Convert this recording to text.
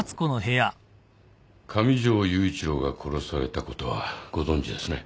上条雄一郎が殺されたことはご存じですね。